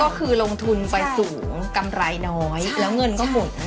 ก็คือลงทุนไปสูงกำไรน้อยแล้วเงินก็หมด